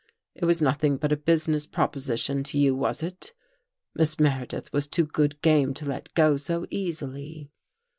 It was nothing but a business proposi tion to you, was it? Miss Meredith was too good game to let go so easily."